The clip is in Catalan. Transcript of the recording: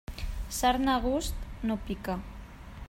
Sarna a gust, no pica.